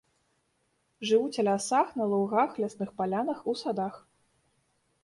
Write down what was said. Жывуць у лясах, на лугах, лясных палянах, у садах.